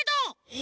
え！？